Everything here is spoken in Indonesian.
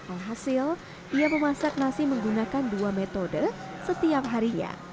alhasil ia memasak nasi menggunakan dua metode setiap harinya